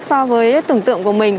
so với tưởng tượng của mình